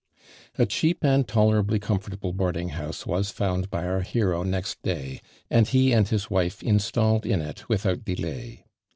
A cheap and tolerably comfortable board ing house was found by our hero next day, and he and his wife installed in it without Uelay.